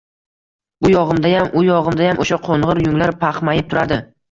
Bu yog‘imdayam, u yog‘imdayam o‘sha qo‘ng‘ir yunglar paxmayib turardi